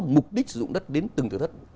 mục đích sử dụng đất đến từng tử thất